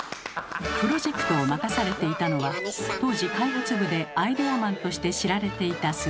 プロジェクトを任されていたのは当時開発部でアイデアマンとして知られていた鈴木さん。